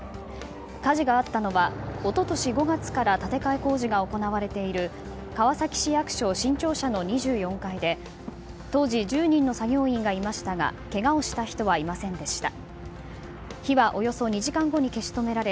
火事があったのは一昨年５月から建て替え工事が行われている川崎市役所新庁舎の２４階で当時１０人の作業員がいましたがけがをした人はいませんでした。